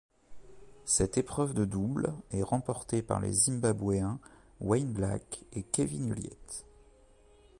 Cette épreuve de double est remportée par les Zimbabwéens Wayne Black et Kevin Ullyett.